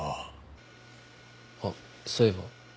あっそういえば。